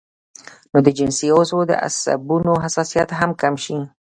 نو د جنسي عضو د عصبونو حساسيت هم کم شي